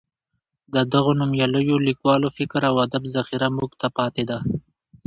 د دغو نومیالیو لیکوالو فکر او ادب ذخیره موږ ته پاتې ده.